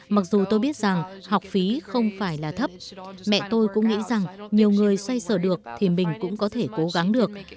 mặc dù tôi biết rằng học phí không phải là thấp mẹ tôi cũng nghĩ rằng nhiều người xoay sở được thì mình cũng có thể cố gắng được